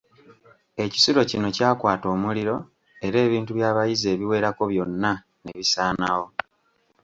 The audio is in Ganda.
Ekisulo kino kyakwata omuliro era ebintu by'abayizi ebiwerako byonna ne bisaanawo.